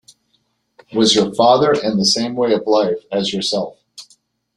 Was your father in the same way of life as yourself?